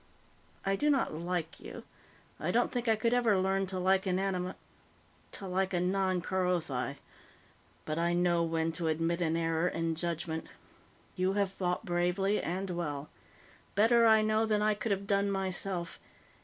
I do not like you; I don't think I could ever learn to like an anim ... to like a non Kerothi. But I know when to admit an error in judgment. You have fought bravely and well better, I know, than I could have done myself.